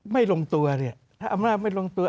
ไม่ลงตัวเนี่ยถ้าอำนาจไม่ลงตัว